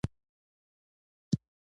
په سبا يې بيا دجبار په ګدون